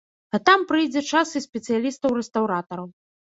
А там прыйдзе час і спецыялістаў-рэстаўратараў.